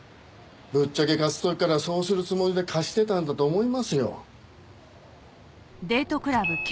ぶっちゃけ貸す時からそうするつもりで貸してたんだと思いますよ。